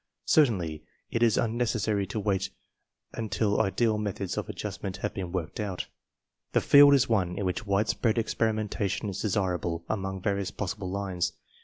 Certainly it is unnecessary to wait until ideal methods of adjustment have been worked out. The field is one in which widespread experimentation is desirable along various possible lines.